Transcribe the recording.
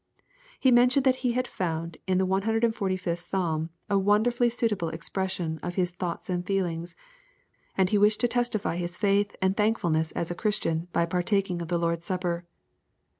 He mentioned that he had found in the 145th Psalm a wonderfully suitable expression of his thoughts and feelings, and he wished to testify his faith and thankfulness as a Christian by partaking of the Lord's Supper.